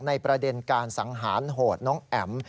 ประเด็นการสังหารโหดน้องแอ๋ม